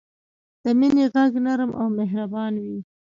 د مینې ږغ نرم او مهربان وي.